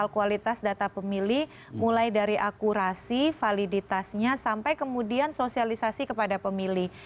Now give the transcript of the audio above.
kualitas data pemilih mulai dari akurasi validitasnya sampai kemudian sosialisasi kepada pemilih